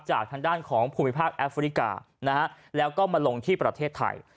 จากทางด้านของภูมิภาคแอฟริกานะฮะแล้วก็มาลงที่ประเทศไทย